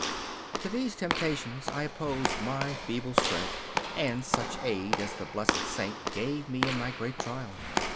To these temptations I opposed my feeble strength and such aid as the blessed Saint gave me in my great trial.